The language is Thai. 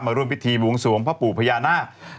มาร่วมวิธีบวงสูงพระปู่พญานาค